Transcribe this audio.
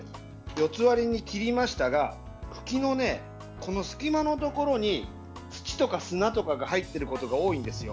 ４つ割りに切りましたら茎の隙間のところに土とか砂とかが入ってることが多いんですよ。